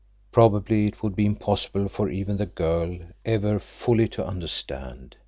Probably it would be impossible for even the girl ever fully to understand.